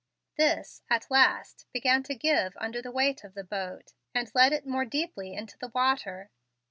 This, at last, began to give under the weight of the boat, and let it more deeply into the water.